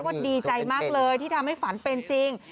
ก็ดีใจมากเลยที่ทำให้ฝันเป็นจริง